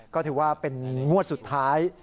ก็ถือว่าเป็นงวดสุดท้าย